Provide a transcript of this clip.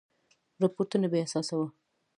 رپوټونه بې اساسه وه.